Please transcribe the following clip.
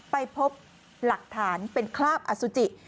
ไปพบหลักฐานเป็นคราบอสุจิ